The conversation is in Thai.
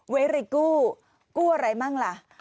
เวลากู้กู้อะไรมั่งล่ะ